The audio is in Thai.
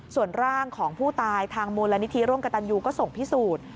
ส่วนร่างของผู้ตายทางมูลนิธิร่วมกับตันยูก็ส่งพิสูจน์